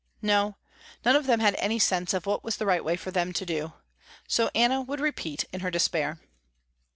No, none of them had any sense of what was the right way for them to do. So Anna would repeat in her despair.